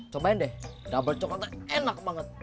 cobain deh double coklatnya enak banget